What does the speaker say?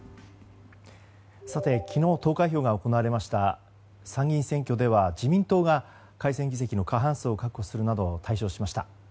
昨日、投開票が行われました参議院選挙では自民党が改選議席の過半数を獲得するなど大勝しました。